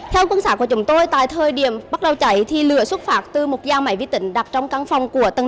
theo quân xã của chúng tôi tại thời điểm bắt đầu cháy thì lửa xuất phạm từ một giao máy viết tỉnh đặt trong căn phòng của tầng năm